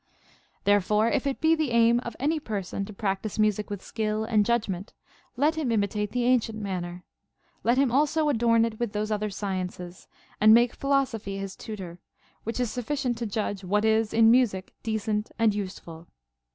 32. Therefore, if it be the aim of any person to practise music with skill and judgment, let him imitate the ancient 126 CONCERNING MUSIC. manner ; let him also adorn it with those other sciences, and make philosophy his tutor, which is sufficient to judge what is in music decent and useful.